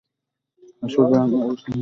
আসলে, আমি অবসর নিয়েছি।